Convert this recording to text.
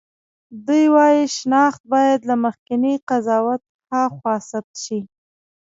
دوی وايي شناخت باید له مخکېني قضاوت هاخوا ثبت شي.